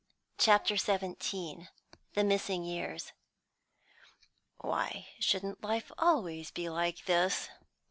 CHAPTER XVII THE MISSING YEARS "Why shouldn't life be always like this?"